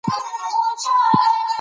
او نور چارواکي بې طرفانه